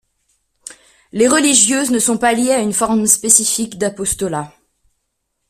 Les religieuses ne sont pas liées à une forme spécifique d'apostolat.